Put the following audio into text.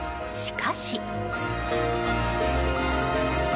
しかし。